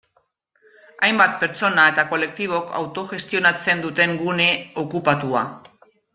Hainbat pertsona eta kolektibok autogestionatzen duten gune okupatua.